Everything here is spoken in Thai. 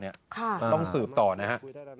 ต้องสืบต่อนะฮะ